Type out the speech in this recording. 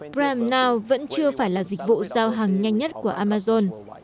primenow vẫn chưa phải là dịch vụ giao hàng nhanh nhất của amazon